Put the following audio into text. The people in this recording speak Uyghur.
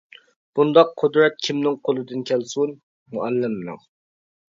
-بۇنداق قۇدرەت كىمنىڭ قولىدىن كەلسۇن؟ -مۇئەللىمنىڭ!